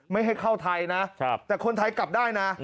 ไม่ให้เข้าไทยนะแต่คนไทยกลับได้นะ